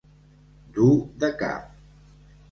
Dur de cap.